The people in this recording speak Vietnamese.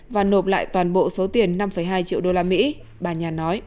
và nộp lại toàn bộ số tiền năm hai triệu đô la mỹ bà nhàn nói